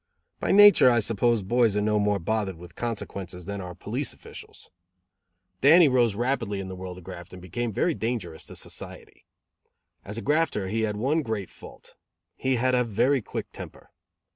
By nature I suppose boys are no more bothered with consciences than are police officials. Dannie rose rapidly in the world of graft and became very dangerous to society. As a grafter he had one great fault. He had a very quick temper.